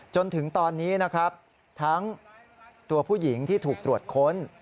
จนถึงตอนนี้นะครับทั้งตัวผู้หญิงที่ถูกตรวจค้น